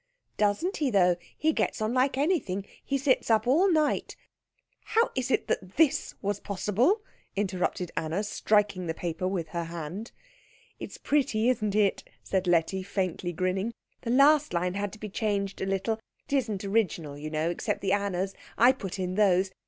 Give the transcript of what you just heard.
"Doesn't he though he gets on like anything. He sits up all night " "How is it that this was possible?" interrupted Anna, striking the paper with her hand. "It's pretty, isn't it," said Letty, faintly grinning. "The last line had to be changed a little. It isn't original, you know, except the Annas. I put in those.